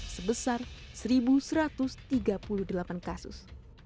sebesar satu satu ratus tiga puluh delapan kasus